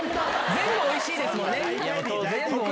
全部おいしいですもんね。